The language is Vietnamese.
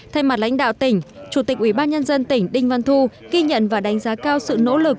thay mặt lãnh đạo tỉnh chủ tịch ubnd tỉnh đinh văn thu ghi nhận và đánh giá cao sự nỗ lực